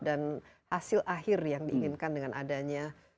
dan hasil akhir yang diinginkan dengan adanya